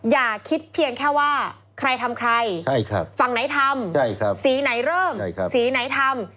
อย่าคิดเพียงแค่ว่าใครทำใครฝั่งไหนทำสีไหนเริ่มสีไหนทำ